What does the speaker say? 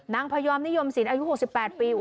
พยอมนิยมศิลปอายุ๖๘ปี